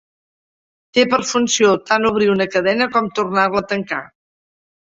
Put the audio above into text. Té per funció tant obrir una cadena com tornar-la a tancar.